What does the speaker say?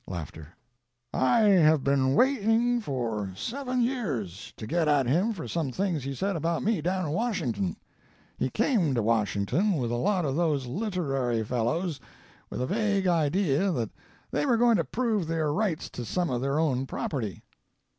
"I have been waiting for seven years to get at him for some things he said about me down in Washington. He came to Washington with a lot of those literary fellows with a vague idea that they were going to prove their rights to some of their own property.